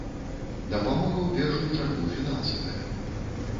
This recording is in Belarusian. Дапамога ў першую чаргу фінансавая.